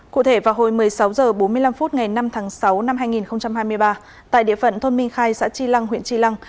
cụ thể vào hồi một mươi sáu h bốn mươi năm phút ngày năm tháng sáu năm hai nghìn hai mươi ba tại địa phận thôn minh khai xã tri lăng huyện tri lăng